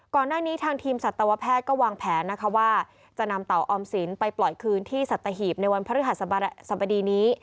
ก่อนหน้านี้ทางทีมสัตวแพทย์ก็วางแผนนะคะว่าจะนำเต่าออมสินไปปล่อยคืนที่สัตหีบในวันพฤหัสสัมบดีนี้